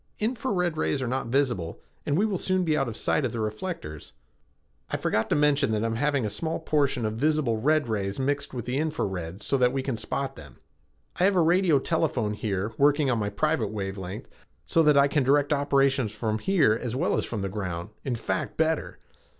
"Infra red rays are not visible, and we will soon be out of sight of the reflectors." "I forgot to mention that I am having a small portion of visible red rays mixed with the infra red so that we can spot them. I have a radio telephone here, working on my private wavelength, so that I can direct operations from here as well as from the ground in fact, better.